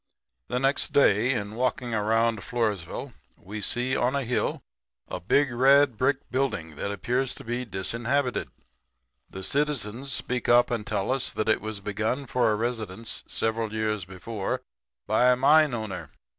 "The next day in walking around Floresville we see on a hill a big red brick building that appears to be disinhabited. The citizens speak up and tell us that it was begun for a residence several years before by a mine owner.